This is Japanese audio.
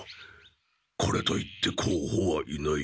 これと言ってこうほはいない。